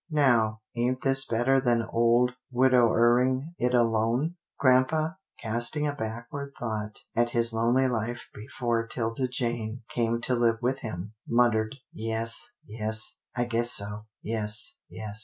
Now, ain't this better than old widowering it alone? " Grampa, casting a backward thought at his lonely life before 'Tilda Jane came to live with him, mut tered, " Yes, yes — I guess so — yes, yes."